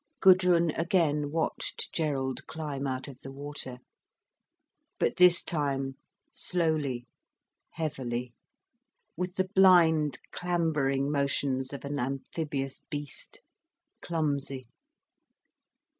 Gudrun again watched Gerald climb out of the water, but this time slowly, heavily, with the blind clambering motions of an amphibious beast, clumsy.